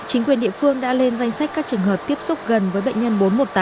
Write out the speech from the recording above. chính quyền địa phương đã lên danh sách các trường hợp tiếp xúc gần với bệnh nhân bốn trăm một mươi tám